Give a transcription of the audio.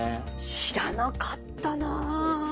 知らなかったな。